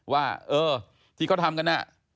ว่าเออที่เขาทำกันน่ะ